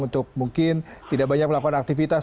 untuk mungkin tidak banyak melakukan aktivitas